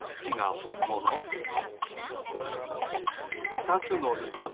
ふたつのみかん。